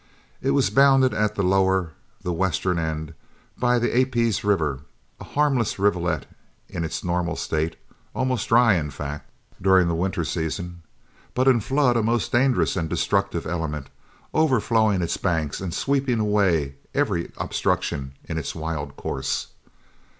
It was bounded at the lower, the western end, by the Aapies River, a harmless rivulet in its normal state almost dry, in fact, during the winter season but in flood a most dangerous and destructive element, overflowing its banks and sweeping away every obstruction in its wild course.